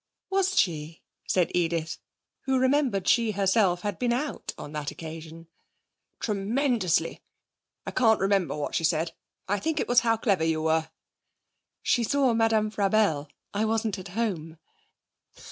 'Was she?' said Edith, who remembered she herself had been out on that occasion. 'Tremendously. I can't remember what she said: I think it was how clever you were.' 'She saw Madame Frabelle. I wasn't at home.'